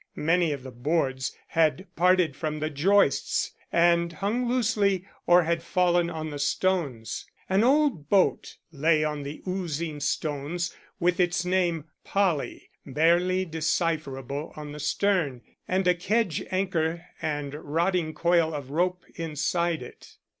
Many of the boards had parted from the joists, and hung loosely, or had fallen on the stones. An old boat lay on the oozing stones, with its name, Polly, barely decipherable on the stern, and a kedge anchor and rotting coil of rope inside it.